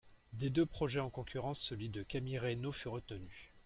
Des deux projets en concurrence, celui de Camille Raynaud fut retenu.